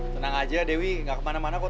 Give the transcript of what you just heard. tenang aja dewi gak kemana mana kok